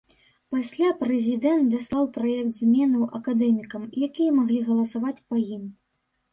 Пасля прэзідэнт даслаў праект зменаў акадэмікам, якія маглі галасаваць па ім.